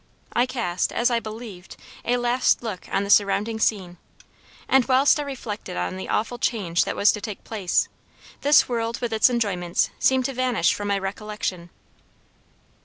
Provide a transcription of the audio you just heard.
I cast (as I believed) a last look on the surrounding scene, and whilst I reflected on the awful change that was to take place, this world with its enjoyments seemed to vanish from my recollection.